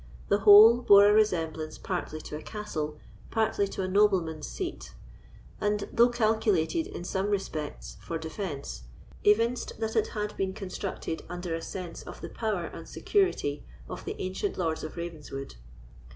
The whole bore a resemblance partly to a castle, partly to a nobleman's seat; and though calculated, in some respects, for defence, evinced that it had been constructed under a sense of the power and security of the ancient Lords of Ravenswood.